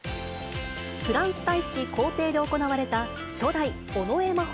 フランス大使公邸で行われた初代尾上眞秀